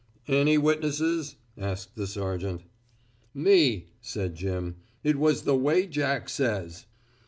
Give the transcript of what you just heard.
"Any witnesses?" asked the sergeant. "Me," said Jim. "It was the way Jack says."